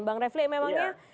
bang refle memangnya